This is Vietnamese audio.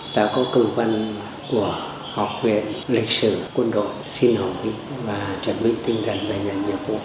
đã có công văn của học viện lịch sử quân đội xin hồng ý và chuẩn bị tinh thần về nhận nhiệm vụ